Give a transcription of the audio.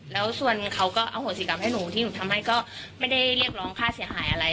แล้วส่วนเขาก็อโหสิกรรมให้หนูที่หนูทำให้ก็ไม่ได้เรียกร้องค่าเสียหายอะไร